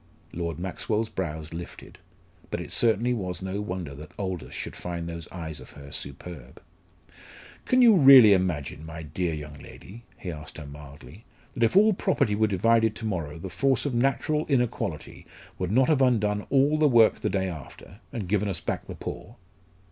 Lord Maxwell's brows lifted. But it certainly was no wonder that Aldous should find those eyes of hers superb? "Can you really imagine, my dear young lady," he asked her mildly, "that if all property were divided to morrow the force of natural inequality would not have undone all the work the day after, and given us back our poor?"